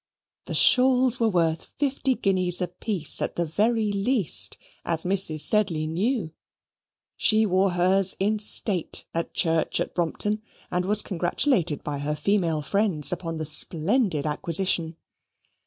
The shawls were worth fifty guineas apiece at the very least, as Mrs. Sedley knew. She wore hers in state at church at Brompton, and was congratulated by her female friends upon the splendid acquisition.